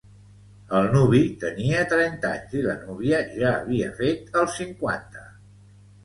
El nuvi tenia trenta anys i la núvia ja havia fet els cinquanta.